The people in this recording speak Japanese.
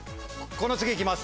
この次いきます。